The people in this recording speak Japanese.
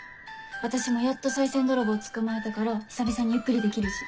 私もやっと賽銭泥棒捕まえたから久々にゆっくりできるし。